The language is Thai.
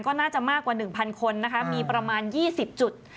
ก็น่าจะมากกว่า๑๐๐คนนะคะมีประมาณ๒๐จุด